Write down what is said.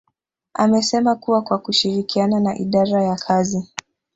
amesema kuwa kwa kushirikiana na idara ya kazi